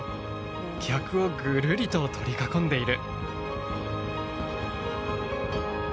客をぐるりと取り囲んでいる！